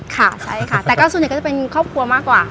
ค่ะใช่ค่ะแต่ก็ส่วนใหญ่ก็จะเป็นครอบครัวมากกว่า